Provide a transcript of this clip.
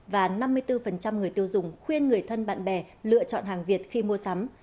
và năm mươi bốn người tiêu dùng khuyên người thân bạn bè lựa chọn hàng việt khi mua sắm